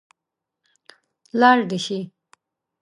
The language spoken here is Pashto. لاړ دې شي.